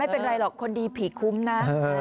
ไม่เป็นไรหรอกคนดีผีคุ้มนะ